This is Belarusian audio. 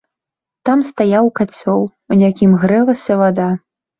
Там стаяў кацёл, у якім грэлася вада.